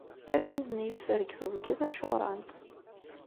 Argaz-nni yeffer deg teẓgi tačuṛant.